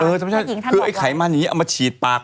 เออธรรมชาติคือไอ้ไขมันอย่างนี้เอามาฉีดปาก